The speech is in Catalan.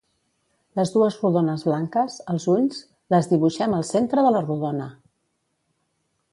Les dues rodones blanques, els ulls, les dibuixem al centre de la rodona!